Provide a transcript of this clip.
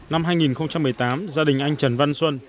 năm hai nghìn một mươi tám gia đình anh trần văn xuân